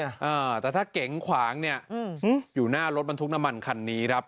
อ่าแต่ถ้าเก๋งขวางเนี่ยอืมอยู่หน้ารถบรรทุกน้ำมันคันนี้ครับ